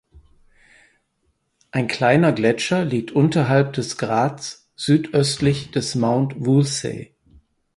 Ein kleiner Gletscher liegt unterhalb der Grats südöstlich des Mount Woolsey.